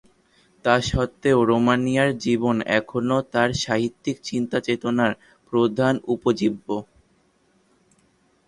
তা স্বত্ত্বেও রোমানিয়ার জীবন এখনও তার সাহিত্যিক চিন্তা-চেতনার প্রধান উপজীব্য।